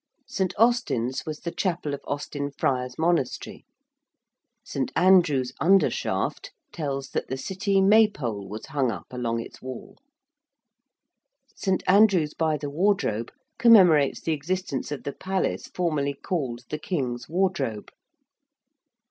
St. Austin's was the chapel of Austin Friars Monastery. St. Andrew's Undershaft tells that the City May Pole was hung up along its wall. St. Andrew's by the Wardrobe commemorates the existence of the Palace formerly called the King's Wardrobe.